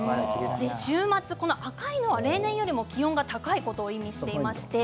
週末、赤いのは例年より気温が高いことを意味しています。